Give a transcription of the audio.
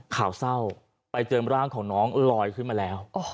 ข่าวเศร้าไปเจอร่างของน้องลอยขึ้นมาแล้ว